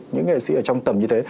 những nghệ sĩ ở trong tầm như thế